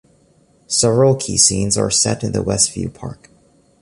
Several key scenes are set in West View Park.